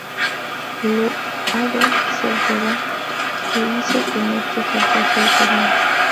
Loado sea Jehová, que hizo que no te faltase hoy pariente.